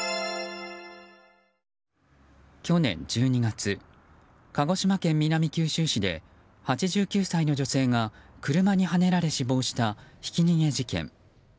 去年１２月鹿児島県南九州市で８９歳の女性が車にはねられ死亡した、ひき逃げ事件。